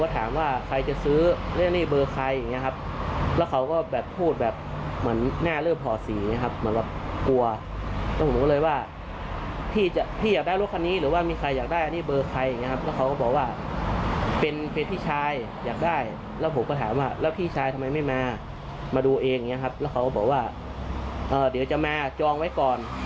ตอนนี้ผมก็เริ่มงงแล้วว่าอะไรจองไว้ก่อน